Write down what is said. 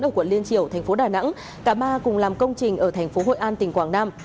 ở quận liên triều thành phố đà nẵng cả ba cùng làm công trình ở thành phố hội an tỉnh quảng nam